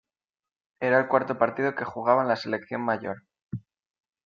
Era el cuarto partido que jugaba en la selección mayor.